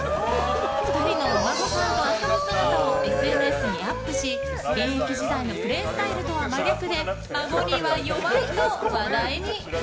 ２人のお孫さんと遊ぶ姿をＳＮＳにアップし現役時代のプレースタイルとは真逆で、孫には弱いと話題に。